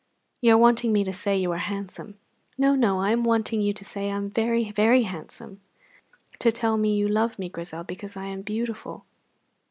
"You are wanting me to say you are handsome." "No, no; I am wanting you to say I am very, very handsome. Tell me you love me, Grizel, because I am beautiful."